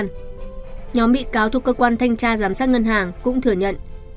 nhóm bị cáo thuộc cơ quan thanh tra giám sát ngân hàng cũng thừa nhận